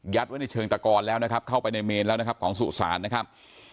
ไว้ในเชิงตะกอนแล้วนะครับเข้าไปในเมนแล้วนะครับของสุสานนะครับ